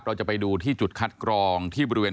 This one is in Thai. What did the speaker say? เราจะไปดูที่จุดคัดกรองที่บริเวณ